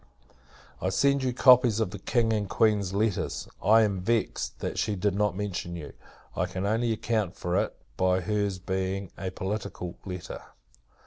I send you copies of the King and Queen's letters. I am vexed, that she did not mention you! I can only account for it, by her's being a political letter.